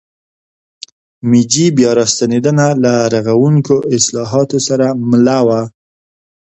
میجي بیا راستنېدنه له رغوونکو اصلاحاتو سره مله وه.